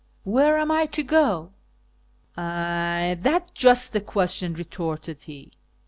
Where am I to go ?"" Ay, that's just the question," retorted he.